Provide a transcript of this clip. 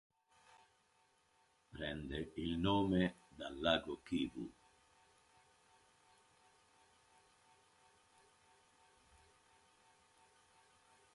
Prende il nome dal lago Kivu.